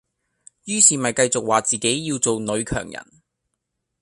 於是咪繼續話自己要做女強人